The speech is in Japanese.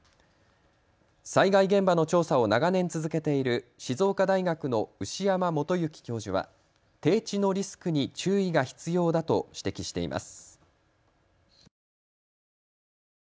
災害現場の調査を長年、続けている静岡大学の牛山素行教授は低地のリスクに注意が必要だと指摘しています。